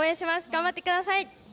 頑張ってください！